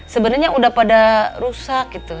sebenarnya udah pada rusak gitu